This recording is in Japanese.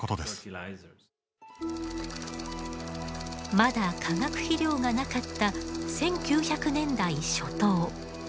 まだ化学肥料がなかった１９００年代初頭。